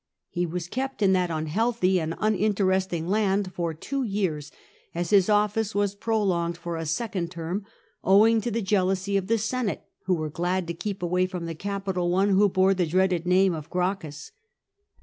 He was kept in that unhealthy and uninteresting island for two years, as his ofBce was prolonged for a second term, owing to the jealousy of the Senate, who were glad to keep away from the capital one who bore the dreaded name of Gracchus.